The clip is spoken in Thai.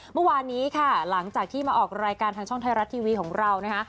เมื่อวานนี้ค่ะหลังจากที่มาออกรายการทางช่องไทยรัฐทีวีของเรานะคะ